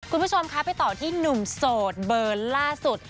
คุณผู้ชมคะไปต่อที่หนุ่มโสดเบอร์ล่าสุด